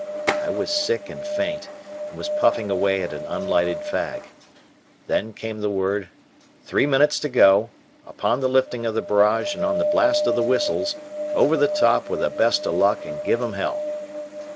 I was sick and faint, and was puffing away at an unlighted fag. Then came the word, "Three minutes to go; upon the lifting of the barrage and on the blast of the whistles, 'Over the Top with the Best o' Luck and Give them Hell.'"